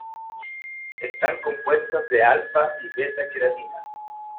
Están compuestas de alfa y beta-queratinas.